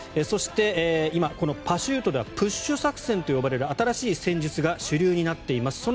そして今、このパシュートではプッシュ作戦と呼ばれる新しい戦術が主流になっています。